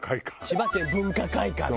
千葉県文化会館ね！